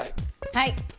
はい。